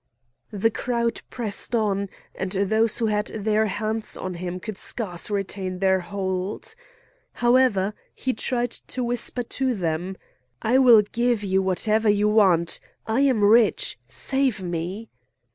The crowd pressed on; and those who had their hands on him could scarce retain their hold. However, he tried to whisper to them: "I will gave you whatever you want! I am rich! Save me!"